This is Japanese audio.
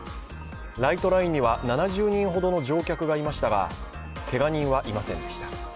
ライトラインには７０人ほどの乗客がいましたがけが人はいませんでした。